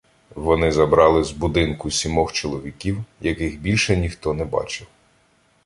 Вони забрали з будинку сімох чоловіків, яких більше ніхто не бачив.